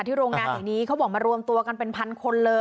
โรงงานแห่งนี้เขาบอกมารวมตัวกันเป็นพันคนเลย